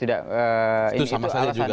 itu sama saja juga